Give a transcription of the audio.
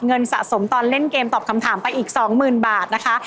เงินสะสมตอนเล่นเกมตอบคำถามไปอีก๒๐๐๐บาทนะคะ